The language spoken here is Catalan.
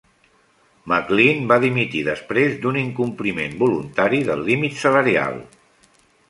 McLean va dimitir després d'un incompliment voluntari del límit salarial.